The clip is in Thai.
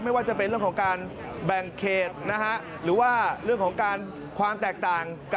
ไม่ว่าจะเป็นเรื่องของการแบ่งเขตนะฮะหรือว่าเรื่องของการความแตกต่าง